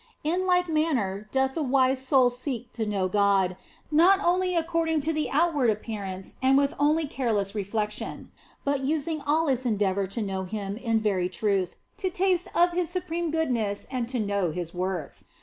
In like manner doth the wise soul seek to know God, not only according to the outward appear ance and with only careless reflection, but using all its endeavour to know Him in very truth, to taste of His supreme goodness and to know His worth.